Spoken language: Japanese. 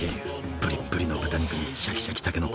ぶりっぶりの豚肉にシャキシャキたけのこ。